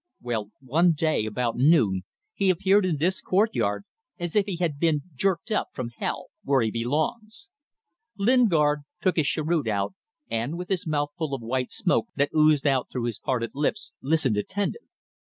Well one day, about noon, he appeared in this courtyard, as if he had been jerked up from hell where he belongs." Lingard took his cheroot out, and, with his mouth full of white smoke that oozed out through his parted lips, listened, attentive.